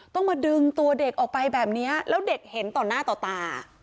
ต้องมาดึงตัวเด็กออกไปแบบนี้แล้วเด็กเห็นต่อหน้าต่อตา